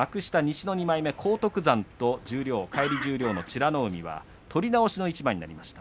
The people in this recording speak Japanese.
荒篤山と返り十両の美ノ海は取り直しの一番となりました。